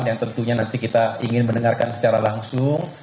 yang tentunya nanti kita ingin mendengarkan secara langsung